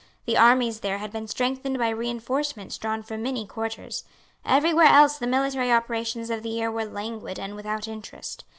The armies there had been strengthened by reinforcements drawn from many quarters. Every where else the military operations of the year were languid and without interest.